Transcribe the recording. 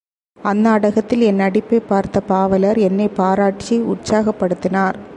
அந்நாடகத்தில் என் நடிப்பைப் பார்த்த பாவலர் என்னைப் பாராட்டி உற்சாகப்படுத்தினார்.